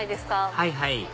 はいはい